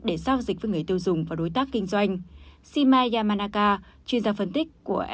để giao dịch với người tiêu dùng và đối tác kinh doanh shima yamanaka chuyên gia phân tích của